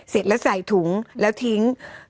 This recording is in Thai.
ใส่ถุงแล้วทิ้ง